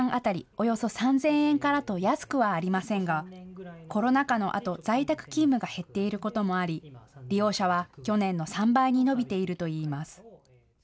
およそ３０００円からと安くはありませんがコロナ禍のあと在宅勤務が減っていることもあり利用者は去年の３倍に伸びているといいます。